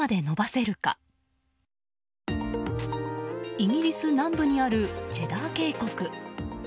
イギリス南部にあるチェダー渓谷。